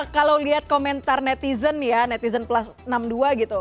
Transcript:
kalau lihat komentar netizen ya netizen plus enam puluh dua gitu